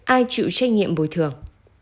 ai chịu trách nhiệm bồi thường